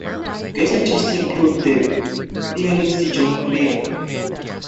Guest artists included the pianist Jon Cleary.